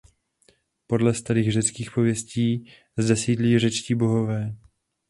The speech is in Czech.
Podle starých řeckých pověstí zde sídlí řečtí bohové.